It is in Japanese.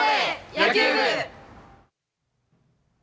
野球部！